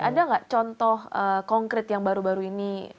ada nggak contoh konkret yang baru baru ini